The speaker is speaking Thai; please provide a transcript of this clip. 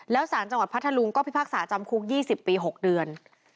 แล้วสารจังหวัดพัทธลุงก็พิพากษาจำคุก๒๐ปี๖เดือน